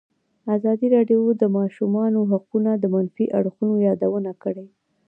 ازادي راډیو د د ماشومانو حقونه د منفي اړخونو یادونه کړې.